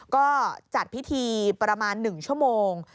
ก็จัดพิธีประมาณ๑ชั่วโมง